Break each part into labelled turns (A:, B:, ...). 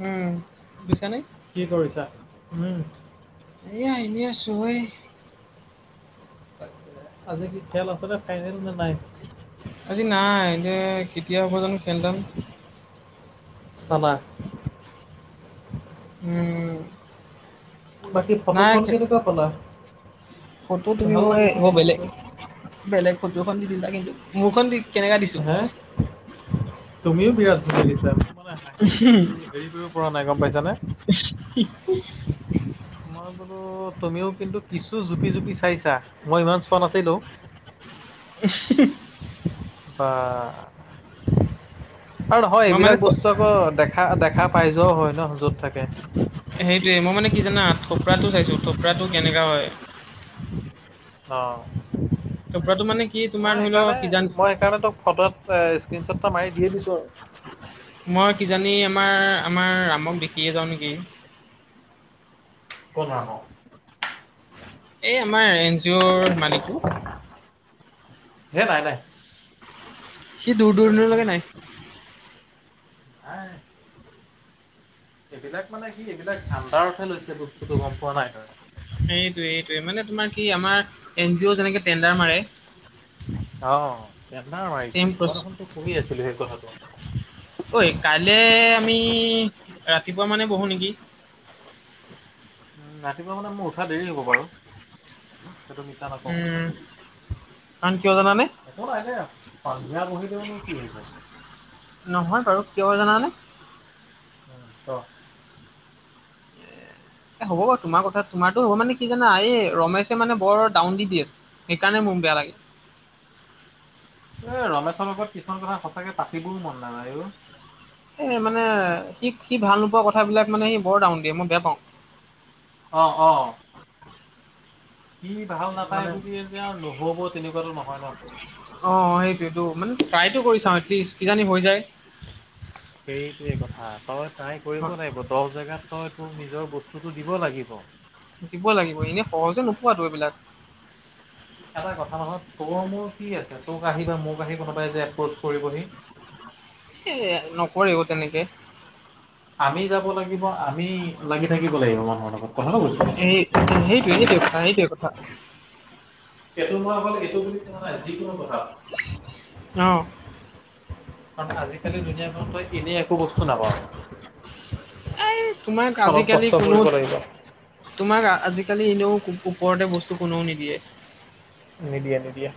A: উম। বুজিছানে?
B: কি কৰিছা? উম।
A: এইয়া এনেই আছোঁ হয়।
B: আজি কি খেল আছে নে ফাইনেল নে নাই?
A: আজি নাই, এতিয়া কেতিয়া হ'ব জানো খেল খন।
B: চালা?
A: উম।
B: বাকী
A: নাই
B: ফটোখন
A: খে-
B: কেনেকুৱা কলা?
A: ফটো তুমি মই ম বেলেগ - বেলেগ ফটোখন দি দিলা কিন্তু মোৰখন দি কেনেকা দিছো
B: হে! তুমিও বিৰাট ভাল লাগিছা, মোক মানে হাঁহিত ৰো হেৰি কৰিব পৰা নাই গম পাইছানে?
A: কি
B: মই বোলো তুমিও কিন্তু কিছু জুপি - জুপি চাইছা? মই ইমান চোৱা নাছিলোঁ। [inaudible]
A: ই হিহি
B: বা! আৰু নহয়
A: মই মানে
B: এইবিলাক বস্তু আকৌ দেখ খা দেখা পাই যোৱাও হয় ন য'ত থাকে।
A: সেইটোয়ে মই মানে কি জানা থপৰাটো চাইছো থপৰাটো কেনেকা হয়?
B: অঁ।
A: থপৰাটো মানে কি তোমাৰ ধৰি লও কিজান
B: সেইকাৰণে তোক ফটোত এ স্ক্ৰীণশ্বট এ মাৰি দিয়ে দিছোঁ আৰু।
A: মই কিজানি আমাৰ - আমাৰ ৰামক দেখিয়ে যাওঁ নেকি?
B: ক না ক?
A: এই আমাৰ এন জি অ'ৰ মালিকটো।
B: হে নাই নাই।
A: সি দূৰ
B: সেইবিলাক হ'বই
A: দূৰণলৈকে
B: নোৱাৰে।
A: নাই।
B: নাই। এইবিলাক মানে কি এইবিলাক ভাণ্ডাৰতহে লৈছে বস্তুটো গম পোৱা নাই তই?
A: সেইটোৱে এইটোৱে মানে তোমাৰ কি আমাৰ এন জি অ' যেনেকে টেণ্ডাৰ মাৰে
B: অ টেণ্ডাৰ
A: চেম
B: মাৰিছে,
A: প্ৰচ
B: মই দেখোনতো শুনি আছিলো সেই কথাটো।
A: ঐ কাইলে আমি ৰাতিপুৱা মানে বহো নেকি?
B: উম ৰাতিপুৱা মানে মোৰ উঠা দেৰি হ'ব বাৰু। সেইটো মিছা নাপওঁ।
A: উম কাৰণ কিয় জানানে
B: একো নাই ন পানিয়া বহি দেওনো কি হব?
A: নহয় বাৰু কিয় জানানে?
B: উ অ।
A: এ হ'ব বাৰু তোমাৰ কথা তোমাৰতো হ'ব মানে কি জানা এই ৰমেশে মানে বৰ ডাউন দি দিয়ে সেইকাৰণে মোক বেয়া লাগে।
B: এ ৰমেশৰ লগত কিছুমান কথা সঁচাকে পাতিবও মন নাযায়ো।
A: এ মানে সি - সি ভাল নোপোৱা কথাবিলাক মানে সি বৰ ডাউন দিয়ে, মই বেয়া পাওঁ।
B: অঁ অঁ। সি ভাল নাপায়
A: মানে
B: বুলে যে আৰু নহব তেনেকুৱাতো নহয় ন?
A: অ সেইটোটো মানে ট্ৰাইটো কৰি চাও এটলিষ্ট কিজানি হৈ যায়।
B: সেইটোৱে কথা, তই তাই কৰিব
A: হয়,
B: নাই ব দহ জেগাত তই তোৰ নিজৰ বস্তুটো দিব লাগিব।
A: শিকিব লাগিব এনেই সহজে নোপোৱাতো এইবিলাক।
B: এটা কথা নহয় তোৰ মোৰ কি আছে? তোক আহি বা মোক আহি কোনোবাই যে এপ্ৰচ কৰিবহি?
A: সেয়াই নকৰিব তেনেকে।
B: আমি যাব লাগিব, আমি লাগি থাকিব লাগিব মানুহৰ লগত কথাটো কৈছো।
A: যেন সেইটোৱে - সেইটোৱে কথা সেইটোৱে কথা।
B: এইটো মই অকল এইটো বুলি কোৱা নাই যিকোনো কথা।
A: অ
B: কাৰন আজিকালি দুুনীয়াখন তই এনেই একো বস্তু নাপাওঁ,
A: এই তোমাক
B: অলপ
A: আজিকালি
B: কষ্ট
A: কোনো
B: কৰিব লাগিব।
A: তোমাক আজিকালি এনেও ওপৰতে বস্তু কোনেও নিদিয়ে।
B: নিদিয়ে নিদিয়ে।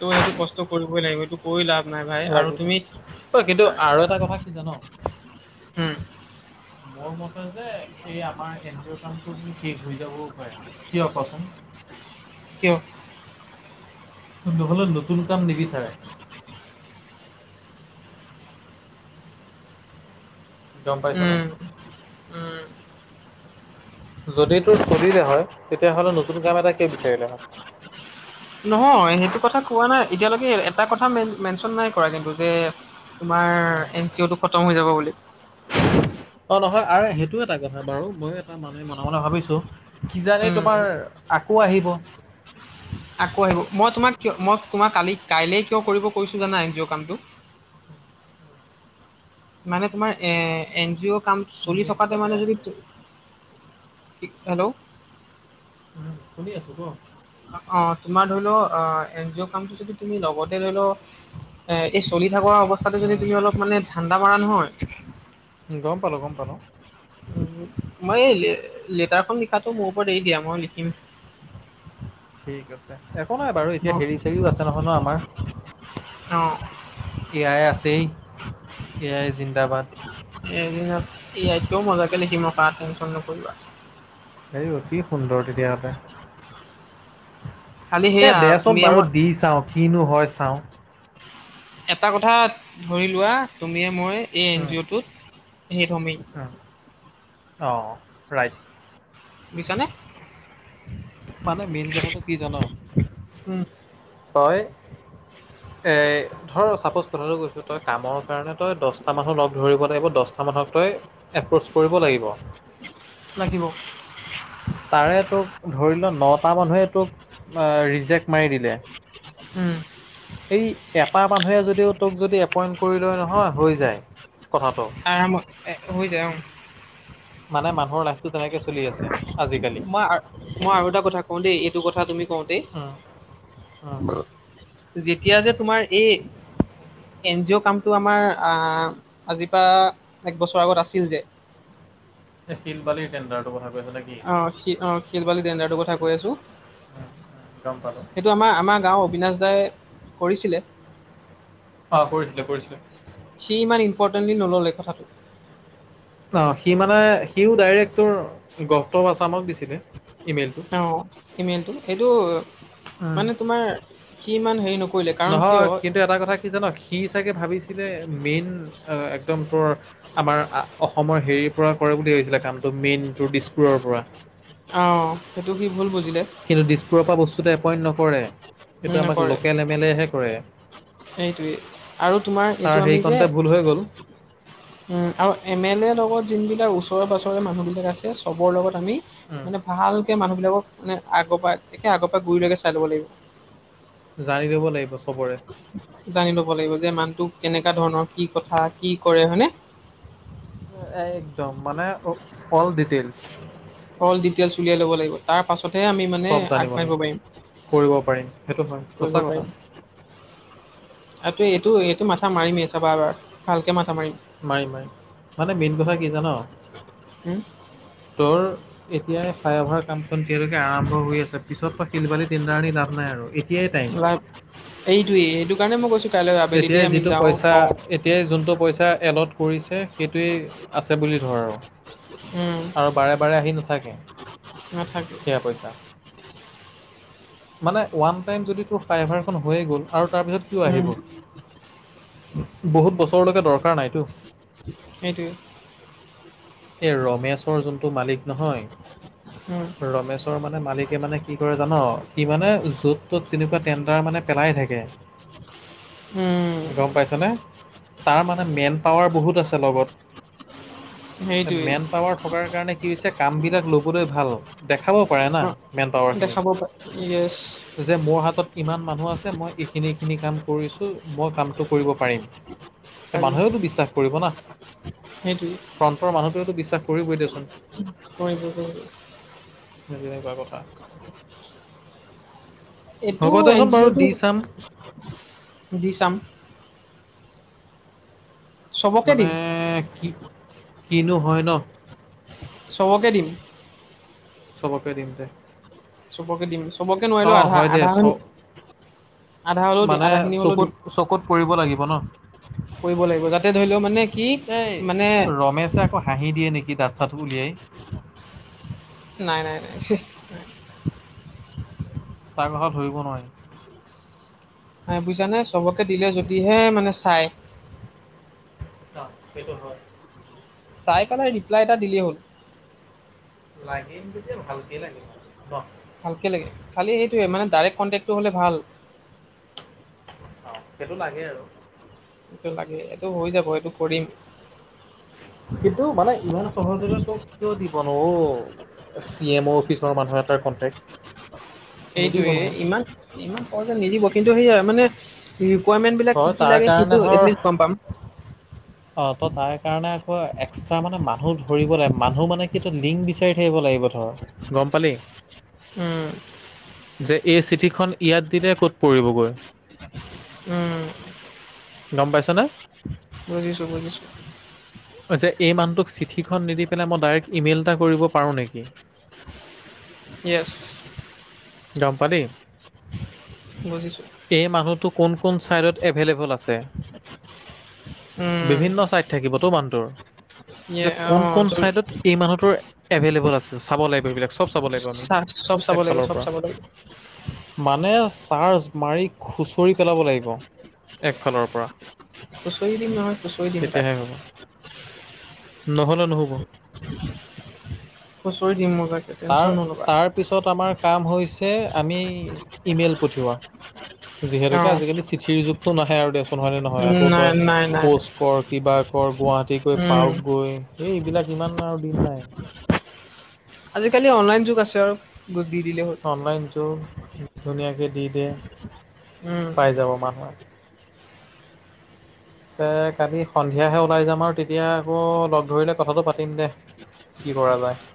A: ত' সেইটো কষ্ট কৰিবই লাগিব এইটো কৈ লাভ নাই ভাই আৰু
B: লাগিব
A: তুমি
B: ঐ কিন্তু আৰু এটা কথা কি জান
A: হম্।
B: মোৰ মতে যে এই আমাৰ এন জি অৰ কামটো কি ঠিক হৈ যাবও পাৰে কিয় কচোন?
A: কিয়?
B: নহ'লে নতুন কাম নিবিচাৰে। গম পাইছ নে?
A: উম উম।
B: যদি তোৰ চলিলে হয়, তেতিয়াহ'লে নতুন কাম এটা কিয় বিচাৰিলে হয়।
A: নহয় সেইটো কথা কোৱা নাই এতিয়ালৈকে এটা কথা মেনচন নাই কৰা কিন্তু যে তোমাৰ এন চি অ' টো খতম হৈ যাব বুলি।
B: অ নহয় আৰু সেইটো এটা কথা বাৰু মইও এটা মানুহে মনে মনে ভাবিছো কিজানি
A: উম
B: তোমাৰ আকৌ আহিব?
A: আকৌ আহিব মই তোমাক কিয় মই তোমাক কালি কাইলে কিয় কৰিব কৈছো জানা এন জি অ' কামটো?
B: [unintelligible]
A: মানে তোমাৰ এ এন জি অ' কাম চলি থকাতে
B: যাতে
A: মানে যদি
B: আহিলে
A: হেল্ল'।
B: উম শুনি আছো ক।
A: অ তোমাৰ ধৰি লও অ এন জি অ কামটো যদি তুমি লগতে ধৰি লও এ এই চলি থকা অৱস্থাতে যদি তুমি অলপ মানে ধান্দা মাৰা নহয়,
B: উম গম পালো গম পালো।
A: উম মই এই লেটাৰখন লিখাতটো মোৰ ওপৰত এৰি দিয়া মই লিখিম।
B: ঠিক আছে একো নাই বাৰু এতিয়া হেৰি চেৰিও আছে নহয় ন আমাৰ।
A: অঁ
B: এ আই আছেই এ আই জিন্দাবাদ।
A: এদিনত এ আইত কৈ মজাকে লিখিম ৰখা টেনশ্যন নকৰিবা।
B: এই অতি সুন্দৰ
A: খালি
B: তেতিয়াহ'লে। এ
A: সেয়া
B: দেচোন
A: তুমিয়ে
B: বাৰু
A: মই
B: দি চাওঁ কিনো হয় চাওঁ।
A: এটা কথা ধৰি লোৱা তুমি মই এই এন জি অ' টোত হেই সিত হমেই।
B: অ ৰাইট।
A: শুনিছানে?
B: মানে মেইন কথাটো কি জান
A: উম
B: হয়, এই ধৰ চাপোজ কথাটো কৈছোঁ তই কামৰ কাৰণে তই দহটা মানুহ লগ ধৰিব লাগিব দহটা মানুহক তই এপ্ৰচ কৰিব লাগিব।
A: লাগিব।
B: তাৰে তোক ধৰি ল নটা মানুহে তোক ৰিজেক্ট মাৰি দিলে,
A: উম।
B: সেই এটা মানুহে যদিও তোক যদি এপইণ্ট কৰি লয় নহয় হৈ যায়। কথাটো।
A: আৰামত হৈ যায় অ।
B: মানে মানুহ লা
A: মই মই আৰু এটা কথা কওঁ দেই এইটো কথা তুমি কওঁটেই
B: উম, উম।
A: যেতিয়া যে তোমাৰ এই এন জি অ' কামতটো আমাৰ আহ আজিৰ পৰা এক বছৰ আগত আছিল যে,
B: এ শিল বালিৰ টণ্ডাৰ।
A: অ অ শি শিল বালি ডেণ্ডাৰ কথা কৈ আছো।
B: উম, উম, গম পালোঁ
A: এটো আমাৰ আমাৰ গাও অবিনাশ দাই কৰিছিলে।
B: অ কৰিছিলে কৰিছিলে।
A: সি ইমান ইম্পৰ্টেণ্টলি নললে কথাটো।
B: অ সি মানে সিও ডাইৰেক্ট তোৰ গপ্তৰ আছামত দিচে।
A: অ ইমেইলটো এইটো
B: উম।
A: মানে তোমাৰ কি ইমান হেৰি ন।
B: নহয় কিন্তু এটা কথা কি জান সি চাগে ভাবিছিলে মেইন একদম তোৰ, আমাৰ অসমৰ হেৰিৰ পৰা কৰে বুলি ভাবিছিলে কামটো মেইনটো দিছপুৰ পৰা।
A: অ সেইটো সি ভুল বুজিলে।
B: কিন্তু দিছপুৰৰ পৰা বস্তুটো এপইণ্ট নকৰে
A: উম,
B: এইটো আমাক লোকেল এম এলে হে কৰে।
A: সেইটোৱে আৰু তোমাৰ
B: তাৰ
A: এইটো আমি যে,
B: সেইকণতে ভুল হৈ গ'ল
A: উম আৰু এম এলেৰ লগত যোন বিলাক ওচৰে পাজৰে মানুহবিলাক আছে চবৰ লগত আমি
B: উম,
A: মানে ভালকে মানুহ বিলাকক মানে আগৰ পৰা একে আগৰ পৰাই গুৰি লকে চাই ল'ব লাগিব।
B: জানি লব লাগিব চবৰে।
A: জানি ল'ব লাগিব যে মানুহটো কেনেকা ধৰণৰ কি কথা কি কৰে হয়নে।
B: একদম মানে অল ডিটেইলছ।
A: অল ডিটেলচ উলিয়াই ল'ব লাগিব। তাৰ পাছতহে আমি মানে
B: চব জানিব
A: আগবাঢ়িব
B: লাগিব কৰিব সেইটো হয়
A: পাৰিম কৰিব
B: সঁচা কথা
A: পাৰিম। আৰু এইটো এইটো মাথা মাৰিমেই চাবা এবাৰ ভালকে মাথা মাৰিম।
B: মাৰিম মাৰিম মানে মেইন কথা কি জান,
A: হুম,
B: তোৰ এতিয়া ফ্লাইঅভাৰ কামখন যতিয়ালৈকে আৰম্ভ হৈ আছে, পিছতো শিলবালি তিনদাৰণি আনি লাভ নাই আৰু এতিয়াই টাইম
A: এইটোয়েই এহেইটো কাৰণে মই কৈছো কাইলৈ
B: এতিয়াই
A: আবেলিতে আমি
B: যিটো
A: যাও
B: পইচা
A: কওঁ,
B: এতিয়াই যোনটো পইচা এলট কৰিছে সেইটোৱেই আছে বুলি ধৰ আৰু
A: উম,
B: আৰু বাৰে বাৰে আহি নাথাকে।
A: নাথাকে।
B: সেয়া পইচা, মানে ওৱান টাইম যদি তোৰ ফাইভাৰখন হৈয়ে গ'ল আৰু তাৰপিছত কিয়
A: উম,
B: আহিব। বহুত বছৰলৈকে দৰকাৰ নাইতো।
A: সেইটোৱে।
B: এই ৰমেশৰ যোনটো মালিক নহয়।
A: উম
B: ৰমেশৰ মানে মালিকে মানে কি কৰে জান সি মানে য'ত তত তেনেকুৱা টেণ্ডাৰ মানে পেলাই থাকে।
A: উম।
B: [inaudible] গম পাইছা নে তাৰ মানে মেন পাৱাৰ বহুত আছে লগত,
A: সেইটোৱেই
B: মেন পাৱাৰ থকাৰ কাৰণে কি হৈছে কামবিলাক ল'বলৈ ভাল দেখাবও পাৰে না।
A: অ',
B: মেন পাৱাৰখিনি।
A: দেখাব পাৰি য়েছ
B: যে মোৰ হাতত ইমান মানুহ আছে মই এইখিনি এইখিনি কাম কৰিছোঁ মই কাম কৰিব পাৰিম। মানুহেওতো বিশ্বাস কৰিব না।
A: সেইটো,
B: প্ৰন্তৰ মানুহটোৱেতো বিশ্বাস কৰিবই দিয়াচোন।
A: হয়, [unintelligible]
B: সেই তেনেকুৱা কথা।
A: এইটো
B: হ'ব
A: এন
B: দেচোন
A: জি
B: বাৰু
A: অ'টো
B: দি চাম।
A: দি ছাম। চবকে
B: মানে
A: দিম
B: কি কিনো হয় ন।
A: চ'বকে দিম।
B: চবকে দিম দে।
A: চ'বকে দিম চ'বকে, নোৱাৰিলো
B: অঁ
A: আধা
B: হয় দে
A: আধা
B: চ
A: আধা হ'লেও দিম
B: মানে
A: আধাখিনি হ'লেও
B: চকুত
A: দিম
B: চকুত পৰিব লাগিব ন।
A: কৰিব লাগিব, যাতে ধৰি লও মানে কি
B: এই
A: মানে
B: ৰমেশে আকৌ হাঁহি দিয়ে নেকি দাতঁ চাত উলিয়াই।
A: নাই, নাই, নাই, ছিঃ
B: তাৰ কথা ধৰিব নোৱাৰি।
A: নাই বুজিছা নে চবকে দিলে যদিহে মানে চাই।
B: অ'সেইটো হয়।
A: চাই পেলাই ৰিপ্লাই এটা দিলেই হ'ল।
B: লাগিম যেতিয়া ভালকে লাগিব আৰু নহ।
A: ভালকে লাগিম খালি সেইটোয়ে মানে ডাইৰেক্ কণ্টেক্টো হ'লে ভাল।
B: অ' সেইটো লাগে আৰু।
A: সেইটো লাগে, এইটো হৈ যাব এইটো কৰিম।
B: কিন্তু মানে ইমান সহজতে তোক তো দিব নোও। চি এম অ' অফিচৰ মানুহ এটাৰ কণ্টেক্ট। নিদিব
A: সেইটোৱে
B: নহয়
A: ইমান ইমান সহজে নিদিব কিন্তু, সেয়াই মানে। ৰিক'ৱাৰমেণ্ট বিলাক
B: তই
A: কি
B: তাৰ
A: লাগে
B: কাৰণে
A: সেইটো
B: ধৰ
A: এথল্লিচ গ'ম পাম।
B: অ' ত' তাৰ কাৰণে আকৌ এক্সট্ৰা মানে মানুহ ধৰিব লাগে, মানুহ মানে কি লিংক বিচাৰি থাকিব লাগিব ধৰ। গ'ম পালি।
A: উম।
B: যে এই চিঠিখন ইয়াত দিলে ক'ত পৰিবগৈ।
A: উম
B: গ'ম পাইছনে।
A: বুজিছোঁ বুজিছোঁ।
B: কৈছে এই মানুহটোক চিঠিখন নিদি পেলাই, মই ডাইৰেক্ট ইমেইল এটা কৰিব পাৰো নেকি?
A: য়েছ।
B: গ'ম পালি।
A: বুজিছোঁ।
B: এই মানুহটো কোন কোন ছাইডত এভেইলেবোল আছে।
A: উম
B: বিভিন্ন চাইড থাকিবতো মানুহটোৰ
A: ইয়ে
B: যে কোন
A: অ
B: কোন চাইডত এই মানুহৰ এভেইলেবোল আছে চাব লাগিব সেই বিলাক। চ'ব চাব লাগিব আমি
A: চা চব চাব লাগিব
B: একফালৰ
A: চব
B: পৰা।
A: চাব লাগিব
B: মানে চাৰ্জ মাৰি খুচৰি পেলাব লাগিব একফালৰ পৰা।
A: খুঁচৰি দিম নহয়, খুঁচৰি দিম
B: তেতিয়াহে
A: তাত
B: হ'ব নহ'লে নহ'ব।
A: হুঁচৰি দিম মই তাতে।
B: তাৰ তাৰপিছত আমাৰ কাম হৈছে আমি ইমেইল পঠিওৱা।
A: অ
B: যিহেতুকে আজিকালি চিঠিৰ যুগতটো নাহে আৰু দেচোন হয় নে নহয়
A: উম
B: আকৌ
A: নাই
B: তই
A: নাই নাই
B: প'ষ্ট ক'ৰ। কিবা ক'ৰ গুৱাহাটী গৈ
A: উম
B: পাওক গৈ এই এইবিলাক ইমান আৰু দিন নাই।
A: আজিকালি অনলাইন যুগ আছে আৰু গুদ দি দিলেই হ'ল
B: অনলাইন যুগ ধুনীয়াকে দি দিয়ে
A: উম
B: পাই যাব মানুহে তে কালি সন্ধিয়াহে ওলাই যাম আৰু তেতিয়া আকৌ লগ ধৰিলে কথাটো পাতিম দে কি কৰা যায়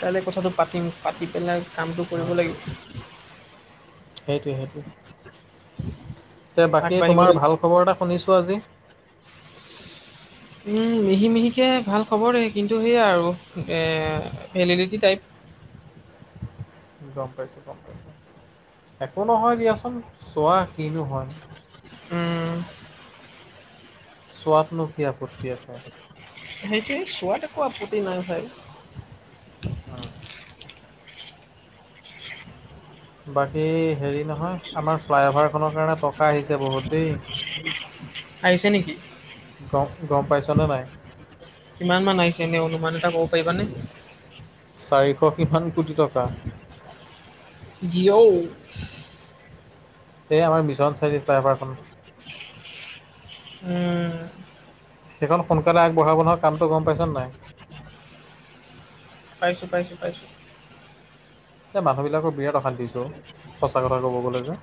A: কাইলে কথাটো পাতিম পাতি পেলাই কামটো কৰিব
B: উম
A: লাগিব
B: সেইটোৱে সেইটোৱে তে বাকী
A: আগবাঢ়িব
B: তোমাৰ
A: লাগিব
B: ভাল খবৰ এটা শুনিছোঁ আজি
A: উম মিহি মিহিকে ভাল খবৰ কিন্তু সেয়াই আৰু এ ভেলিডিটি টাইপ
B: গম পাইছো গম পাইছো একো নহয় দিয়াচোন চোৱা কিনো হয়
A: উম,
B: চোৱাতনো কি আপত্তি আছে
A: সেইটোৱে চোৱাত একো আপত্তি নাই ভাই
B: উম, বাকী হেৰি নহয় আমাৰ ফ্লাই অভাৰখনৰ কাৰণে টকা আহিছে বহুত দেই
A: [unintelligible] আহিছে নিকি
B: গম গম পাইছনে নাই
A: কিমান মান আহিছে এনে অনুমান এটা ক'ব পাৰিবানে
B: চাৰিশ কিমান কোটি টকা
A: যি ঔ
B: এই আমাৰ মিছন চাৰিআলিৰ ফ্ৰাইভাৰখন
A: উম,
B: সেইখন সোনকালে আগবঢ়াব নহয় কামটো গম পাইছা নাই
A: পাইছো পাইছো পাইছো
B: এ মানুহবিলাকৰ বিৰাট অশান্তি হৈছে অ সঁচা কথা ক'ব গ'লে যে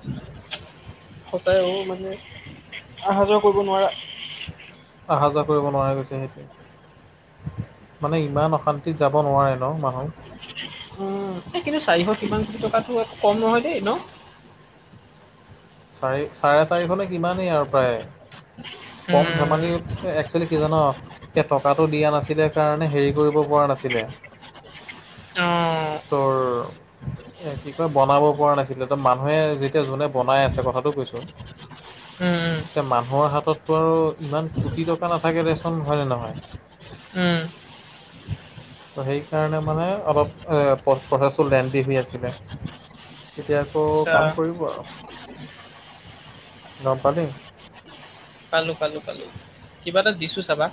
A: সচাই অ মানে অহা যোৱা কৰিব নোৱাৰা
B: অহা যোৱা কৰিব নোৱাৰা গৈছে সেইটোৱে মানে ইমান অশান্তিত যাব নোৱাৰে ন মানুহ
A: উম কিন্তু চাৰিশ কিমান কোটি টকাটো কম নহয় দেই ন
B: চাৰি চাৰে চাৰিশ নে কিমানেই আৰু প্ৰায় কম
A: উম,
B: ধেমালি একচুৱেলি কি জা-ন এ টকাটো দিয়া নাছিলে কাৰণে হেৰি কৰিব পৰা নাছিলে
A: অ
B: তোৰ এ কি কয় বনাব পৰা নাছিলে ত মানুহে যেতিয়া যোনে বনাই আছে কথাটো কৈছো [unintelligible]
A: উম, উম,
B: এতিয়া মানুহৰ হাততো আৰু ইমান কোটি টকা নাথাকে দেচোন হয় নে নহয়
A: উম
B: ত' সেইকাৰণে মানে অলপ অ প্ৰ প্ৰচেছটো লেণ্ডি হৈ আছিলে এতিয়া আকৌ
A: আচ্ছা
B: কাম কৰিব আৰু গম পালি
A: পালোঁ পালোঁ পালোঁ কিবা এটা দিছোঁ চাবা